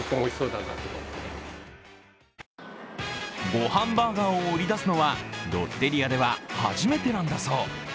ごはんバーガーを売り出すのはロッテリアでは初めてなんだそう。